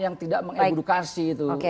yang tidak mengedukasi